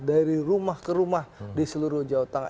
dari rumah ke rumah di seluruh jawa tengah